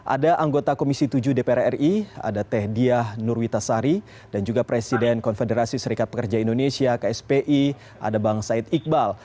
ada anggota komisi tujuh dpr ri ada teh diah nurwitasari dan juga presiden konfederasi serikat pekerja indonesia kspi ada bang said iqbal